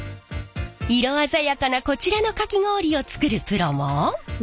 色鮮やかなこちらのかき氷を作るプロも。